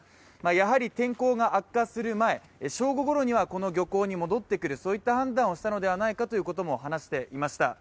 やはり天候が悪化する前、正午ごろにはこの漁港に戻ってくる、そういった判断をしたのではないかということも話していました。